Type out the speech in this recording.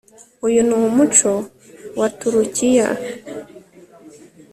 Uyu ni umuco wa Turukiya